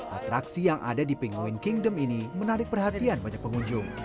atraksi yang ada di pingoin kingdom ini menarik perhatian banyak pengunjung